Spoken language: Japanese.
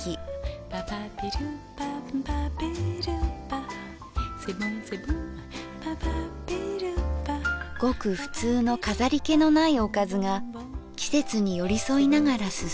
ごくふつうの飾り気のないおかずが季節に寄り添いながら進む。